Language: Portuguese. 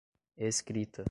escrita